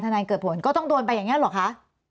นายเกิดผลก็ต้องโดนไปอย่างนี้หรอคะ